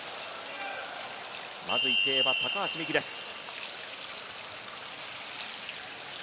まず１泳は高橋美紀です。